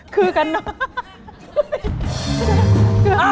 คือกันเนอะ